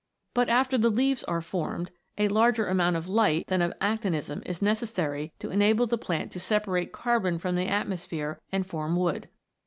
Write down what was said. But, after the leaves are formed, a larger amount of light than of actinism is necessary to enable the plant to sepa rate carbon from the atmosphere and form wood.